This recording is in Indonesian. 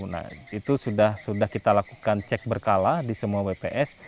nah itu sudah kita lakukan cek berkala di semua bps